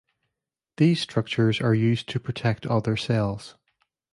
These structures are used to protect other cells.